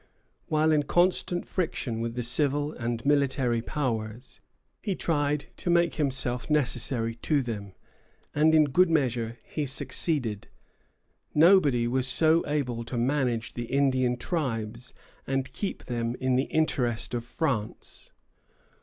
While in constant friction with the civil and military powers, he tried to make himself necessary to them, and in good measure he succeeded. Nobody was so able to manage the Indian tribes and keep them in the interest of France.